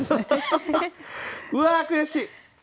うわあ悔しい！